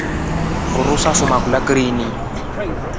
Mburu safuma kulya krini.